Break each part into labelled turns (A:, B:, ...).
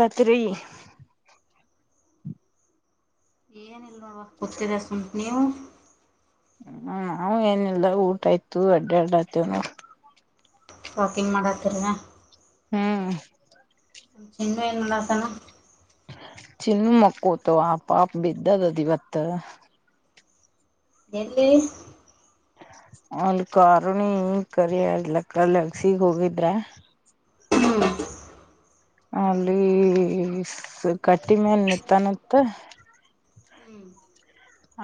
A: ಮತೇರಿ.
B: ಏನಿಲ್ಲ ನೋಡವ ಕುತ್ತಿದೆ ಸುಮ್ನೆ ನೀವು.
A: ಹ್ಮ ನಾವ ಏನಿಲ್ಲ ಊಟ ಆಯ್ತು ಅಡ್ಡ ಆಡತೀವಿ ನೋಡ.
B: ವಾಕಿಂಗ್ ಮಾಡಕತ್ತಿನ.
A: ಹ್ಮ್ಮ್.
B: ಚೆನ್ನು ಏನ ಮಾಡಕತೇನ.
A: ಚಿನ್ನು ಮಕೊತೋ ಆ ಪಾಪ ಬಿದ್ದದದ ಇವತ್ತು
B: ಎಲ್ಲಿ
A: ಅಲ್ಲಿ ಕಾರುಣಿ ಕರಿ ಆಗಿ ಅಕ್ಕ ಲೆಗ್ಸಿಗ ಹೋಗಿದ್ರ
B: ಹ್ಮ್
A: ಅಲ್ಲಿ ಕಟ್ಟಿ ಮ್ಯಾಲ ನಿಂತನ್ ಅಂತ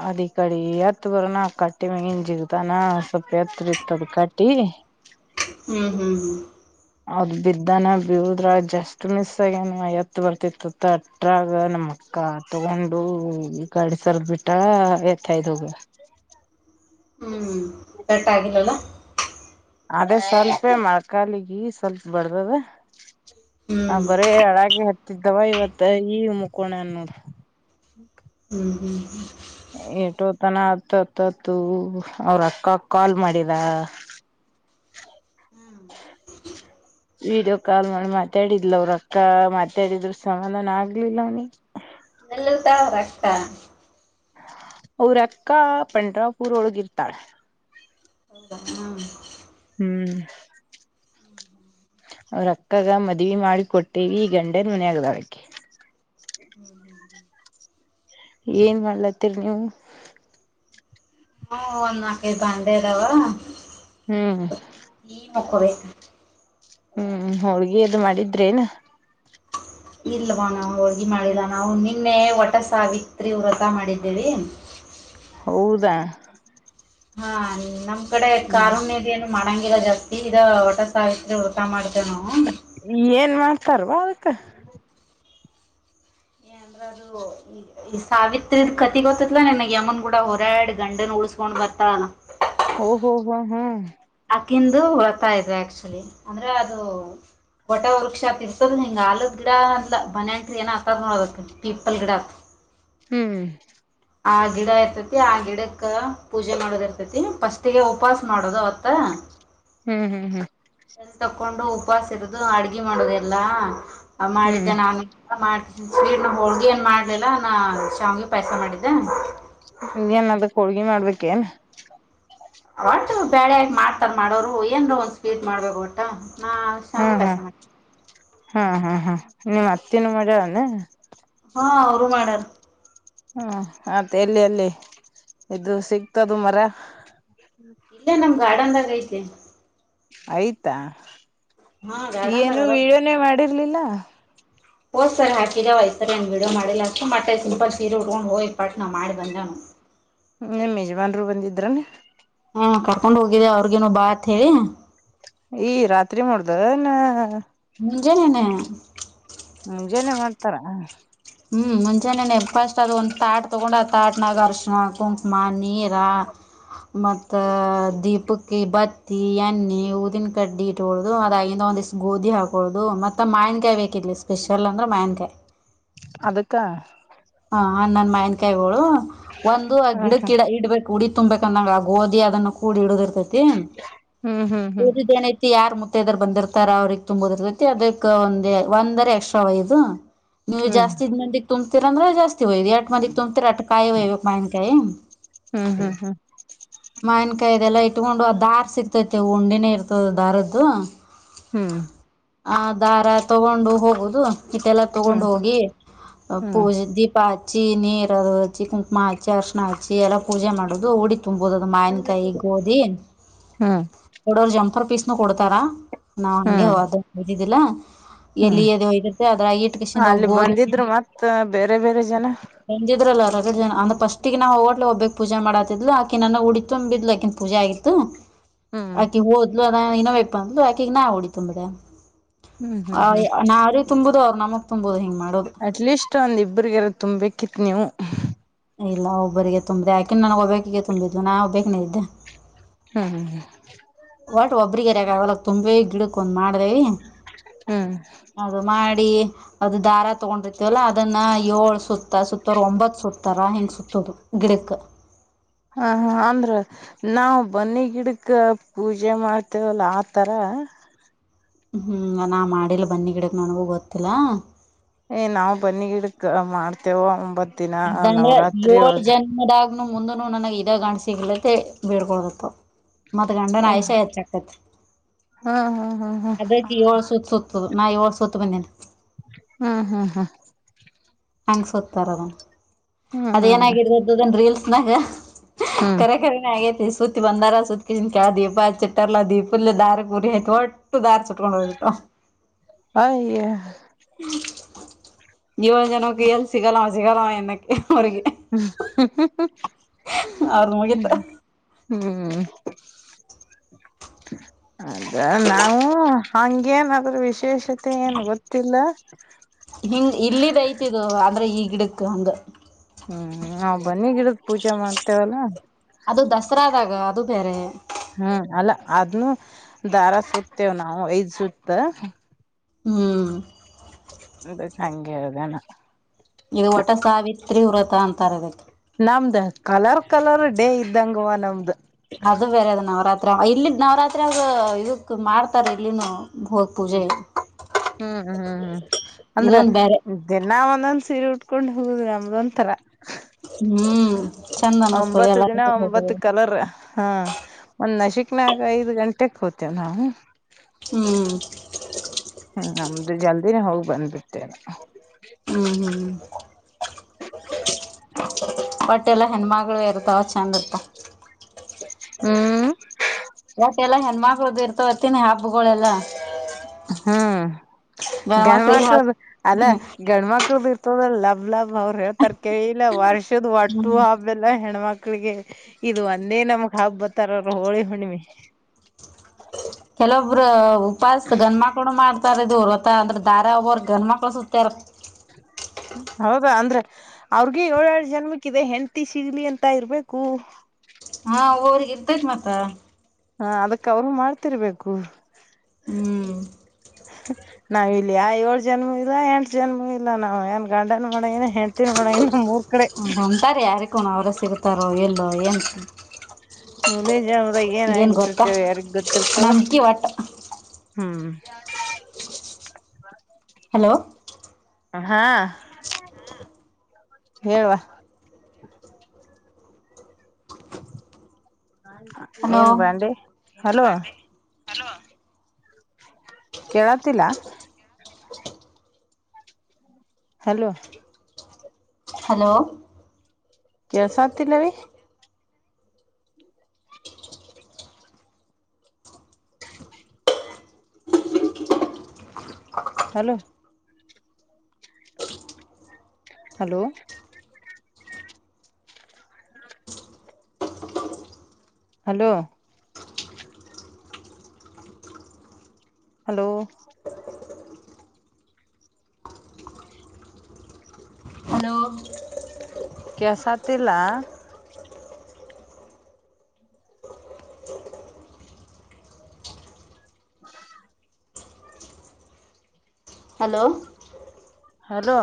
A: ಅದ ಇಕಾಡಿ ಎತ್ ಬರನಾ ಕಟ್ಟಿ ಮ್ಯಾಗಿಂದ ಜಿಗದಾನ ಸ್ವಲ್ಪ ಎತ್ರಾ ಇತ್ತದ ಕಟ್ಟಿ
B: ಹ್ಮ್ ಹ್ಮ್ ಹ್ಮ್
A: ಅದ್ ಬಿದ್ದಾನ ಬಿಳುದ್ರಾಗ ಜಸ್ಟ್ ಮಿಸ್ ಆಗ್ಯನ ಇವ ಎದ್ದ ಬರ್ತಿತ್ತ ಅಂತ ಅಟ್ರಾಗ್ ನಮ ನಮ್ಮ ಅಕ್ಕ ತಗೊಂಡು ಈ ಕಡಿ ಸರದ ಬಿಟ್ಟಳ ಎತ್ತು ಹಾಯ್ದು ಹೋಗ್ಯದ
B: [unintelligible] ಹ್ಮ್ ಪೆಟ್ ಆಗಿಲ್ಲಲ್ಲ
A: ಅದೇ ಸ್ವಲ್ಪೇ ಮೊಳಕಾಲಿಗಿ ಸ್ವಲ್ಪ ಬಡ್ದದುದಾ ಅವ
B: ಹ್ಮ್
A: ಬರೆ ಅಳಕೆ ಹಚ್ಚ ದವ ಇವತ್ತ ಈ ಮುಕೋಣನ ನೋಡ.
B: ಹ್ಮ್ ಹ್ಮ್
A: ಏಟೋತನ ಅತ್ತತ್ತು ಅವ್ರ ಅಕ್ಕ ಕಾಲ್ ಮಾಡಿದಾ.
B: ಹ್ಮ
A: ವಿಡಿಯೋ ಕಾಲ್ ಮಾಡಿ ಮಾತಾಡಿದ್ಲ ಅವ್ರ ಅಕ್ಕ ಮಾತಾಡಿದ್ರ ಸಮಾಧಾನ ಆಗ್ಲಿಲ್ಲ ಅವ್ನಿ.
B: ಎಲ್ಲುತಾ ಅವರಕ್ಕಾ
A: ಅವರ ಅಕ್ಕಾ ಪಂಡ್ರಾಪೂರ್ ಒಳಗ ಇರತಲಾ
B: ಹೌದಾ ನಾವು
A: ಹ್ಮ್..... ಅವ್ರ ಅಕ್ಕಗ ಮದ್ವಿ ಮಾಡಿ ಕೊಟ್ಟೇವಿ ಗಂಡನ್ ಮನೆ ಆದಾಳ ಅಕ್ಕಿ
B: ಹ್ಮ್ ಹ್ಮ್...
A: ಏನ್ ಮಾಡ್ಲತ್ತೀರಿ ನೀವು...
B: ಒಂದ್ ನಾಕೈದು ಬಂಡೆ ಅದಾವ
A: ಹ್ಮ್
B: ಈ ಮುಕ್ಕೋಬೇಕ.
A: ಹ್ಮ್ ಹೋಳಿಗಿ ಅದು ಮಾಡಿದ್ರೇನ.
B: ಇಲ್ವಾ ನಾವು ಹೋಳಿಗಿ ಮಾಡಿಲ್ಲ ನಾವು ನಿನ್ನೆ ಒಟ ಸಾವಿತ್ರಿ ವ್ರತ ಮಾಡಿದ್ದೇವಿ.. ಹ [inaudible]
A: ಹೌದಾ
B: ಹಾ ನಮ್ಮ ಕಡೆ
A: ಹ್ಮ್
B: ಕಾರುಣ್ಯದ ಏನು ಮಾಡ ಈಗ ಜಾಸ್ತಿ ಇದ ವಟಸಾವಿತ್ರಿ ವ್ರತ ಮಾಡ್ತೇವಿ ನಾವು
A: ಏನ್ ಮಾಡ್ತಾರವಾ ಅದಕ್ಕ
B: ಈ ಸಾವಿತ್ರಿ ಕತಿ ಗೊತ್ತತ್ತಲಾ ನನ್ ಯಮನ್ ಕೂಡ ಹೋರಾಡಿ ಗಂಡನ ಉಳ್ಸ್ಕೊಂಡ ಮತ್ತಾನ
A: ಓಹೋ ಹಾ ಹ್ಮ್
B: ಹಿಂದು ವ್ರತ ಇದ ಆಕ್ಚುಲಿ ಅಂದ್ರೆ ಅದು ಒಟ ವೃಕ್ಷಾತ್ ತಿನ್ನಸದ ಹಿಂಗ್ ಆಲದ್ ಗಿಡ ಅ ಬನ್ಯಂಟ್ರೀ ಏನ ಅಂತರ ನೋಡದ ಅದಕ್ಕ್ ಪೀಪಲ್ ಗಿಡ.
A: ಹ್ಮ್....
B: ಆ ಗಿಡ ಇರ್ತತಿ ಆ ಗಿಡಕ್ಕ ಪೂಜೆ ಮಾಡೋದ ಇರ್ತತಿ ಫಸ್ಟಿಗೆ ಉಪವಾಸ ಮಾಡೋದು ಅವತ್ತ..
A: ಹ್ಮ್ ಹ್ಮ್ ಹ್ಮ್..
B: ತಕೊಂಡು ಉಪವಾಸ ಇರೋದು ಅಡುಗೆ ಮಾಡೋದೆ ಎಲ್ಲ
A: ಹ್ಮ್
B: ಮಾಡಿದ್ದೆ ನಾನು ಮಾಡ್ತಿ ಸ್ವೀಟ್ ಹೋಳಿಗಿ ಏನ್ ಮಾಡ್ಲಿಲಾ ನಾ ಶಾವಿಗೆ ಪಾಯಸ ಮಾಡಿದ್ದ
A: ಏನ್ ಅದಕ್ ಹೋಳ್ಗಿ ಮಾಡ್ಬೇಕೇ ಏನ್
B: ಒಟು ಬ್ಯಾಳಿ ಆಕಿ ಮಾಡ್ತಾರ ಮಾಡೋರು ಏನರ ಒಂದ್ ಸ್ವೀಟ್ ಮಾಡ್ಬೇಕ ಒಟ್ಟ ನಾ ಶಾವಿಗೆ
A: ಹ್ಮ್
B: ಪಾಯಸ
A: ಹ್ಮ್
B: ಮಾಡ
A: ಹ್ಮ್ ಹ್ಮ್ ಹ್ಮ್ ನಿಮ್ಮ್ ಅತ್ತೀನಿ ಮಾಡ್ಯಾಳನು
B: ಹಾ ಅವರು ಮಾಡಾರ.
A: ಹ್ಮ ಮತ್ತೆ ಎಲ್ಲಿ ಎಲ್ಲಿ ಇದು ಸಿಗ್ತದ ಮರ.
B: ಇಲ್ಲೇ ನಮ್ಮ ಗಾರ್ಡನ್ದಾಗ ಐತಿ
A: ಐಯ್ತಾ
B: ಹಾ ಗಾರ್ಡನ್ದಾಗ
A: ಏನು
B: ಅದ
A: ವ್ಯೂನು ಮಾಡಿರ್ಲಿಲ್ಲಾ
B: ಒದ್ ಸರಿ ಹಾಕಿದಾವ ಈ ಸರಿ ಏನ್ ವಿಡಿಯೋ ಮಾಡಿಲ್ಲ ಅಷ್ಟು ಮತ್ತೆ ಸಿಂಪಲ್ ಸೀರೆ ಉಟ್ಕೊಂಡ ಹೋಗಿ ಪಟನ್ ಮಾಡಿ ಬಂದನೆವ
A: ನೀಮ್ಮ್ ಯಜಮಾನ್ರು ಬಂದಿದ್ರನ್
B: ಹ್ಮ ಕರ್ಕೊಂಡ್ ಹೋಗಿದ್ದೆ ಅವ್ರಿಗೇನು ಬಾ ಅತ್ ಹೇಳಿ
A: ಈ ರಾತ್ರಿ ಮಾಡುದ ನ
B: ಮುಂಜನನೇ
A: ಮುಂಜನೆ ಮಾಡ್ತಾರ
B: ಹ್ಮ್ ಮುಂಜಾನೆನೆ ಫಸ್ಟ್ ಅದು ಒಂದು ತಾಟ ತೊಗೊಂಡು ಆ ತಾಟನಾಗ ಅರಿಸೀಣ ಕುಂಕುಮ ನೀರ ಮತ್ತ ದೀಪಕ್ಕಿ ಬತ್ತಿ ಎಣ್ಣೆ ಉದಿನ ಕಡ್ಡಿ ಇಟ್ಕೊಳ್ಳೋದು ಅದಾಗಿಂದ ಒಂದಿಷ್ಟ ಗೋಧಿ ಹಾಕೋದು ಮತ್ತೆ ಮಾಯ್ನ್ಕಾಯಿ ಬೇಕಿದ್ಲಿ ಸ್ಪೆಷಲ್ ಅಂದ್ರೆ ಮಾಯನ್ಕಾಯಿ
A: ಅದಕ್ಕ
B: ನನ್ ಮಾಯನಕಾಯಿಗಳು ಒಂದು ಗಿಡಕ್ಕ ಗಿಡ ಇಡ್ಬೇಕು ಹುಡಿ ತುಂಬಬೇಕಂದಂಗ ಆ ಗೋಧಿ ಅದನ್ನು ಕೂಡಿ ಇಡುದಿರ್ತೈತಿ
A: ಹ್ಮ್ ಹ್ಮ್ ಹ್ಮ್
B: ಉಳದದ ಏನಐತಿ ಯಾರುತ್ತ ಮುತ್ತೈದೆರ್ ಬಂದಿರ್ತಾರ ಅವ್ರಗ್ ತುಂಬೋದಿರ್ತೈತಿ ಅದಕ್ಕೆ ಒಂದ ಒಂದರೆ ಎಕ್ಸ್ಟ್ರಾ ಯದು ನೀವು
A: ಹ್ಮ್
B: ಜಾಸ್ತಿ ಮಂದಿ ತುಂಬತಿರ ಅಂದ್ರೆ ಜಾಸ್ತಿ ಇಟ್ ಮಂದಿ ತುಂಬೀರ ಆಟ ಕಾಯವ್ಯಬೇಕ ಮಾವಿನಕಾಯ
A: ಹ್ಮ್ ಹ್ಮ್
B: ಇಟ್ಕೊಂಡು ದಾರ್ ಸಿಗ್ತೈತಿ ಉಂಡಿನೆ ಇರ್ತದ ದಾರದ್ದು
A: ಹ್ಮ್
B: ಆ ದಾರ ತಗೊಂಡು ಹೋಗುದು ಇಟೆಲ್ಲ ತಗೊಂಡ್
A: ಹ್ಮ್ ಹ್ಮ್
B: ಹೋಗಿ
A: ಹ್ಮ್ ಹ್ಮ್ ಹ್ಮ್
B: ಪೂಜೆ ದೀಪ ಹಚ್ಚಿ ನೀರು ಅದು ಹಚ್ಚಿ ಕುಂಕುಮ ಹಚ್ಚಿ ಅರ್ಶಿ ಹಚ್ಚಿ ಎಲ್ಲ ಪೂಜೆ ಮಾಡೋದು ಉಡಿ ತುಂಬ ಹೋದ ಮಾಯನ್ಕಾಯಿ ಗೋಧಿ
A: ಹ್ಮ್ ಹ್ಮ್
B: ಕೊಡೋರು ಜಂಪರ್ ಪೀಸ್ನು ಕೊಡ್ತಾರ ನಾವ್ ಹಂಗೆ
A: ಹ್ಮ್
B: ಹದು ಹ್ದಿದ್ದಿಲ್ಲ
A: ಹ್ಮ್
B: ಎಲ್ಲಿ ಎದು ಹೂಯ್ದಿರ್ತೆ ಅದ್ರ ಇಟ್ಕಸಿಂದೋಗ
A: ಅಲ್ಲಿ
B: ಗೋದಿ
A: ಬಂದಿದ್ರು ಮತ್ತ ಬೇರೆ ಬೇರೆ ಜನ
B: ಬಂದಿದ್ರಲ್ಲ ರಗಡ ಜನ ಫಸ್ಟಿಗೆ ನಾವು ಹೋಗೋತ್ತಿಲ್ಲ ಒಬ್ಬಾಕಿ ಪೂಜಾ ಮಾಡಾತಿದ್ಲು ಆಕ ನನ ಹುಡಿತುಂಬಿದಲ್ಲ ಆಕಿನ ಪೂಜೆ ಆಗಿತ್ತು
A: ಹ್ಮ್
B: ಆಕಿ ಹೊದ್ಲು ಅದ ಇನ ವಯಪ್ಪ ಅಂದ್ಲು ಆಕೆ ಈಗ ನಾ ಹೊಡಿ ತುಂಬ್ರ
A: ಹ್ಮ್
B: ಆ
A: ಹ್ಮ್ ಹ್ಮ್
B: ನಾ ಅವರಿಗ್ ತುಂಬುದು ಅವ್ರು ನಮಗ್ ತುಂಬುದು ಹಿಂಗ
A: ಅಟ್ಲೀಸ್ಟ್ ಒಂದ್ ಇಬ್ಬ್ರಿಗೆರ ತುಂಬ್ಬೇಕಿತ್ ನೀವು
B: ಇಲ್ಲ ಒಬ್ಬರಿಗೆ ತುಂಬಿದ್ದ ಅಕಿನ್ ನನಗ್ ಒಬ್ಬಕಿಗೆ ತುಂಬಿದಲು ನಾ ಒಬ್ಬೇಕ್ನೆ ಇದ್ದೆ
A: ಹ್ಮ್
B: ವಟ್ ಒಬ್ಬರಿ ಗರಿಗಾವ ತುಂಬೇ ಗಿಡಕ್ ಒಂದ್ ಮಾಡ್ದೇವಿ
A: ಹ್ಮ್
B: ಅದು ಮಾಡಿ ಅದು ದಾರ ತಗೊಂಡಿರ್ತವಲ್ಲಾ ಅದನ್ನ ಏಳ್ ಸುತ್ತ ಸುತ್ತರ ಒಂಬತ್ ಸುತ್ತ ತರಾ ಹೆಂಗ್ ಸುತ್ತುದು ಗಿಡಕ್
A: ಹ ಅಂದ್ರ ನಾವು ಬನ್ನಿ ಗಿಡಕ ಪೂಜೆ ಮಾಡ್ತೇವಲ್ಲ ಆತರ ಹ
B: ಹ್ಮ್ ನಾ ಮಾಡಿಲ್ಲ ಬನ್ನಿ ಗಿಡಕ್ ನನಗೂ ಗೊತ್ತಿಲ್ಲ
A: ಏ ನಾವು ಬನ್ನಿ ಗಿಡಕ್ ಮಾಡ್ತೇವ ಒಂಬತ್ ದಿನ
B: ಅದಂದ್ರೆ
A: ನವರಾತ್ರಿ
B: ಏಳ್
A: ಒಳಗ
B: ಜನ್ಮದಾಗ ಮುಂದನು ನನಗೆ ಇದೆ ಗಂಡ ಸೀಗಲ್ಲಿಂತ ಬೀಡ್ಕೊಳದತ್ತ ಮತ್
A: ಓ
B: ಗಂಡನ್ ಆಯುಷಾ ಹೆಚ್ಚಾಗತತಿ
A: ಹಾ ಹಾ ಹಾ ಹಾ
B: ಅದಕ್ಕೆ ಏಳು ಸೂತ ಸುತ್ತುದು ನಾ ಏಳು ಸೂತ್ತ ಬಂದೇನೆ
A: ಹ್ಮ್ ಹ್ಮ್ ಹಾ
B: ಹಂಗ್ ಸತಾರದ
A: ಹ್ಮ್ ಹ್ಮ್
B: ಅದೇನಾಗಿರದದು ಅದುನ್ ರೀಲ್ಸ್ನಾಗ ಹಾ
A: ಹ್ಮ್
B: ಕರೆ ಕರೆನೆ ಅಗೇತಿ ಸುತಿ ಬಂದಾರ ಸುತಿ ಕೆಳಗ್ ದೀಪ ಚಿಟ್ಟರ್ಲ್ಲ ದೀಪಲ್ಲ ದಾರಿ ಪೂರ್ತಿ ಟ್ಟು ದಾರಸಟ್ಕೊಂಡ ಹೋಗ್ಬಿಟ್ಟು
A: ಅಯ್ಯ
B: ಏಳ ಜನಕ್ಕೆ ಎಲ್ಲಿ ಸಿಗಲ್ಲವ ಸಿಗಲ್ಲವ ಎನಕ್ಕೆ
A: ಹ್ಮ
B: ಅವ್ರದ್
A: ಹ್ಮ
B: ಮುಗಿತ
A: ಹ್ಮ್ ಅದ ನಾವು ಹಂಗೇನ ಅದ್ರ ವಿಶೇಷತೆ ಏನ್ ಗೊತ್ತಿಲ್ಲ
B: ಗಿಡಕ್ಕು
A: ಹ್ಮ್ ನಾವ್ ಬನ್ನಿ ಗಿಡಕ್ ಪೂಜೆ ಮಾಡ್ತೇವಲ್ಲ
B: ಅದು ದಸರಾದಾಗ ಅದು ಬೇರೆ
A: ಹ್ಮ್ ಅಲ್ಲ ಅದ್ನು ದಾರ ಸುತೇವ್ ನಾವು ಐದ್ ಸುತ್ತ
B: ಹ್ಮ್ಮ್.
A: ಅದಿಕ್ ಹಂಗೆ ಅದನ.
B: ಈ ಒಟ ಸಾವಿತ್ರಿ ವ್ರತ ಅಂತಾರದಕ್.
A: ನಮ್ದ ಕಲರ್ ಕಲರ್ ಡೇ ಇದ್ದಂಗುವ ನಮ್ದ.
B: ಅದು ಬೇರೆ ಅದು ನವರಾತ್ರ ಇಲ್ಲಿನ್ ನವರಾತ್ರಾಗೂ ಇದುಕು ಮಾಡ್ತಾರ ಇಲ್ಲಿನೂ.
A: ಹ್ಮ್ ಹ್ಮ್ ಹ್ಮ್ ಹ್ಮ್ ಅಂದ್ರೆ
B: ಇದೊಂದ್ ಬೇರೆ
A: ದಿನ ನನ್ ಸೀರೆ ಉಟ್ಕೊಂಡ್ ಹೋಗುದ್ ನಮ್ದ ಒಂಥರ.
B: ಹ್ಮ್. ಚಂದ ಅನಸ್ತದೆ
A: ಒಂಬತ್ತು
B: ಎಲ್ಲ
A: ದಿನ
B: ಹೋದ.
A: ಒಂಬತ್ ಕಲರ್ ಹಾ ಒಂದ್ ನಶಿಕ್ನಗ ಐದು ಗಂಟೆ ನಾವು
B: ಹ್ಮ್
A: ಹ್ಮ ನಮ್ದು ಜಲ್ದಿನೇ ಹೋಗ್ ಬಂದ್ವಿ.
B: ಹ್ಮ್ ಹ್ಮ್. ಬಟ್ಟೆಲ್ಲ ಹೆಣ್ಮಗ್ಲೂ ಇರ್ತಾಳ ಚಂದ ಇತ್ತ.
A: ಹ್ಮ.
B: [unintelligible] ಹಬ್ಬುಗಳೆಲ್ಲ
A: ಹ್ಮ್
B: ಗಣಮಕ್ಳಿಗೆ
A: ಗಂಡ್ಮಕ್ಲುದು ಅಲ್ಲೆ ಗಂಡ್ಮಕ್ಲುದು ಇರ್ತದ್ರ ಲಭ್ ಲಭ್ ಅವ್ರ್ ಹೇಳ್ತಾರ್ ಇಲ್ಲ ವರ್ಷದ ಒಟ್ಟು ಹಬ್ಬದಲ್ಲೆ ಹೆಣ್ಮಕ್ ಮಕ್ಳಿಗೆ ಇದು ಒಂದೇ ನಮಗ್ ಹಬ್ಬತರರ್ ಹೋಳಿ ಹುಣ್ಣಿಮೆ.
B: ಕೆಲೊಬ್ರು ಉಪಾಸ ಗಂಡ್ಮಕ್ಲು ಮಾಡ್ತಾರ ಇದ್ರ ರ್ವತ ಅಂದ್ರೆ ದಾರ ಒಬ್ಬರ್ ಗಂಡ ಮಕ್ಳ ಸುತ್ತಾರ.
A: ಹ. ಹ್ಮ್ ಹೌದಾ ಅಂದ್ರೆ ಅವ್ರಿಗೂ ಏಳ್ ಏಳ್ ಜನ್ಮಕ್ ಇದೆ ಹೆಂಡ್ತಿ ಸಿಗ್ಲಿ ಅಂತ ಇರ್ಬೇಕು.
B: ಹಾ ಒಬೊಬ್ಬರಿಗ್ ಇರ್ತೇತ್ ಮತ್ತ.
A: ಹಾ ಅದಕ್ ಅವರು ಮಾಡ್ತಿರ್ಬೇಕು ಹ್ಮ್.
B: ಹ್ಮ್
A: ನಾವ್ ಇಲ್ಲಿ ಯಾವ್ ಏಳು ಜನ್ಮೂ ಇಲ್ಲ ಎಂಟ್ ಜನ್ಮೂ ಇಲ್ಲ ನಾವ್ ಏನ್ ಗಾಂಡನು ಮಡಂಗಿಲ್ಲ ಹೆಂಡ್ತೀನೂ ಮಡಂಗಿಲ ನಮೂರ್ ಕಡೆ.
B: [unintelligible] ಅವರ ಸಿಗ್ತಾರೋ ಇಲ್ಲೊ ಏನ್
A: ಮುಂದಿನ್ ಜನುಮದಾಗ ಏನಾಗಿ
B: ಏನ್ ಗೊತ್ತಾ
A: ಹುಟ್ಟಿರ್ತೀವಿ ಯಾರಿಗ್ ಗೊತ್ತಿರ್ತದ
B: ನಂಬಿಕೆ ಒಟ್ಟ
A: ಹ್ಮ್. [unintelligible]
B: ಹಲೋ.
A: ಹಾ ಹೇಳವ.
B: ಹಲೋ
A: ಏನ್ ಬಂದಿ ಹಲೋ.
B: ಹಲೋ.
A: ಕೇಳತಿಲ್ಲ. ಹಲೋ.
B: ಹಲೋ.
A: ಕೆಳ್ಸತಿಲವಿ. Hello. Hello. Hello. Hello.
B: Hello
A: ಕೆಸತಿಲ್ಲ [unintelligible]
B: hello.
A: Hello.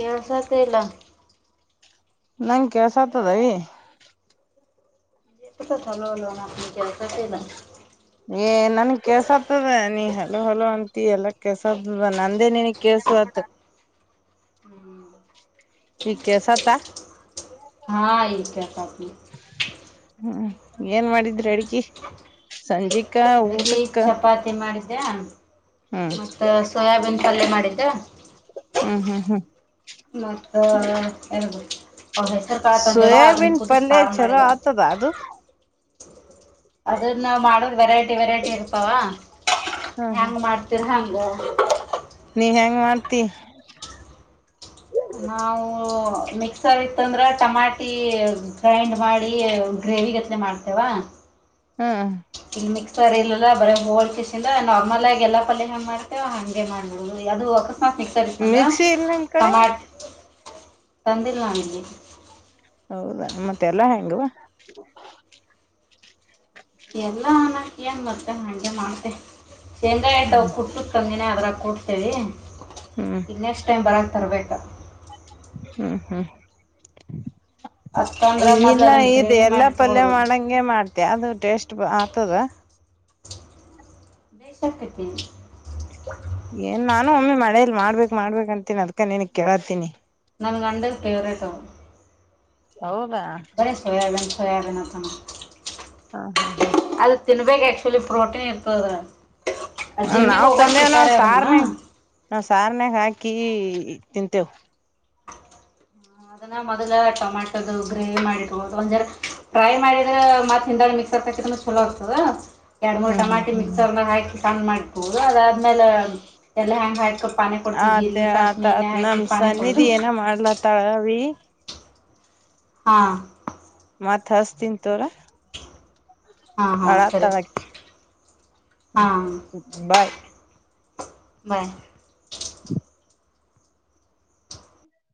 B: ಕೆಳ್ಸತಿಲ್ಲ.
A: ನಂಗ್ ಕೆಳ್ಸತದವಿ.
B: ಎತಥ್ ಹಲೋ ಹಲೋ ಇಲ್ಲ
A: ಎನ್ ನನ್ಗ್ ಕೆಳ್ಸತದ ನೀ ಹೆಲೋ ಹಲೋ ಅಂತಿ ಎಲ್ಲ ಕೆಳ್ಸತದ ನಂದೇ ನಿನಗ್ ಕೇಳ್ಸು ಆತ್. ಇಗ್ ಕೇಳ್ಸತ.
B: ಹಾ ಈಗ ಕೇಳ್ಸತಿ
A: ಹ್ಮ್ ಏನ್ ಮಾಡಿದ್ರಿ ಅಡ್ಗಿ ಸಂಜೆ
B: ಅ ಚಪಾತಿ ಮಾಡಿದ್ಯಾ
A: ಹ್ಮ್
B: ಮತ್ತ ಸೋಯಾಬೀನ್ ಪಲ್ಲೆ ಮಾಡಿದ್ದ
A: ಹ್ಮ್ ಹ್ಮ್ ಹ್ಮ್
B: ಮತ್ತೆ ಅವ್ರ ಹೆಸರು ಕಾಳು ತಂದವ ಅದನ್ನ
A: ಸೋಯಾಬೀನ್
B: ಕೂುದಿಸಿ
A: ಪಲ್ಯ
B: ಸಾರು
A: ಚಲೋ
B: ಮಾಡಿದಾರ
A: ಆತದ ಅದು
B: ಅದನ್ನ ನ ಮಾಡದ ವೆರೈಟಿ ವೆರೈಟಿ ಇರ್ತಾವ
A: ಹ್ಮ್ ಹ್ಮ್
B: ಹೆಂಗ್ ಮಾಡ್ತಿೀರ ಹಂಗ
A: ನೀ ಹೆಂಗ್ ಮಾಡ್ತಿ
B: ನಾವು ಮಿಕ್ಸರ್ ಇತ್ತಂದ್ರೆ ಟಮಾಟಿ ಗ್ರೈಂಡ್ ಮಾಡಿ ಗತ್ಲೆ ಮಾಡ್ತೇವಾ
A: ಹ್ಮ
B: ಸರಿ ಇಲ್ಲಲ್ಲ ಬರ ಹೋಲ್ ಪಸಿಂದ ನಾರ್ಮಲ್ ಆಗಿ ಎಲ್ಲಾ ಪಲ್ಯ ಹ ಮಾಡ್ತವ ಹಗೆ ಮಾಡ್ ಅದು ಮಿಕ್ಸರ್ ಇತ್ತಂದ್ರೆ
A: ಮಿಕ್ಸಿ ಇಲ್ ನಿಮ್ ಕಡೆ
B: ಟಮಾಟ್ ತಂದಿಲ್ಲ ನನಗೆ
A: ಹೌದಾ ಮತ್ತೆ ಎಲ್ಲ ಹೆಂಗೆ ಅವ
B: ಎಲ್ಲ ಅನಕ ಏನ್ ಬತ್ತ ನಂಗೆ ಮಾಡ್ತೆ ಶೇಂಗಾಯಟ
A: ಹ್ಮ್
B: ಕುಟ್ಟು ತಂಗನನೆ ಅದ್ರಾಗ ಕೊಡ್ತೇಿ
A: ಹ್ಮ್
B: ಈಗ ನೆಕ್ಸ್ಟ್ ಟೈಮ್ ಬರಕ್ಕೆ ತರ್ಬೇಕು
A: ಹ್ಮ್ ಹ್ಮ್
B: ಅತ್ತಂದ್ರ ಮೊದ್ಲು
A: ಇಲ್ಲ
B: ಅದನ್ನ
A: ಇದು
B: ಗ್ರೇವಿ
A: ಎಲ್ಲ
B: ಮಾಡಿ
A: ಪಲ್ಯ
B: ಇಟ್ಕೊಳ್ಳೋದು
A: ಮಾಡಂಗಗೆ ಮಾಡ್ತ ಅದು ಟೇಸ್ಟ್ ಹತದ
B: ದ ಶಕ್ಯತಿ
A: ಏನ್ ನಾನು ಒಮ್ಮಿ ಮಾಡಿಲ್ಲ ಮಾಡ್ಬೇಕೇಕ್ ಮಾಡ್ಬೇಕ ಅಂತೀನಿ ಅದ್ಕ ನಿಂಗೆ ಕೇಳತ್ತೀಿನಿ
B: ನು ಗಂಡ ಫೇವರಿಟ್ ಅವು
A: ಹೌ
B: ಬರ ಸೊಯಾಬೀನ್ ಸೊಯಾಬೀನ್ ಅಂತಾನಾ
A: ಹಾ ಹಾ ಹಾ
B: ತಿನ್ಬೇಕು ಆ್ಯಕ್ಚುಲಿ ಪ್ರೋಟೀನ್ ಇರ್ತದೆ
A: ನಾವ್ ತಂದೆವ ನಾವ ಸಾರ್ನೆ ನ ಸಾರ್ನೆಗ್ ಹಾಕಿ ಹಾಕಿ ತಿಂತೆವು
B: ಅದನ್ನ ಮೊದ್ಲ ಟೊಮೆಟೊದು ಗ್ರೇವಿ ಮಾಡಿ ಒ ಟ್ರೈ ಮಾಡಿದ್ರೆ ಮತ್ತ ಹಿಂದ ಮಿಕ್ಸರ್ ಚಲೋ ಆಗ್ತದ ಎರಡ್ ಮೂ
A: ಹ್ಮ್ ಹ್ಮ್
B: ಟಮಟ
A: ಹ್ಮ್ ಹ್ಮ್
B: ಮಿಕ್ಸರ್ಾಗ ಹಾಕಿ ಕ್ ಮಾಡಬೋುದು ಅದ ಆ್ಮೇಲೆ ಎಲ್ಲ ಹೆ್ಯಾಂಗ್ ಹಾಕ ಪಾನಿ ಕೊಡ್ತವಿ
A: ಆತ
B: ಇ
A: ಆತ
B: ಸಾಸ್ಮಿ ಎಣ್ಣೆ ಹಾಕಿ ಪಾನಿ ಕೊಡು
A: ತಳಾವ
B: ಹಾ
A: ಮತ್ತ್ ಹಚ್ತೀನಿ ತಗುರಿ
B: ಹಾಂ ಹಾಂ
A: ಹ
B: ಸರಿ
A: ಆತಾರ ಹ
B: ಹಾಂ
A: ಬಾಯ್
B: ಬಾಯ್
A: [unintelligible]